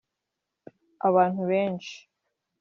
abantu benshi